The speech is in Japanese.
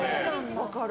分かる。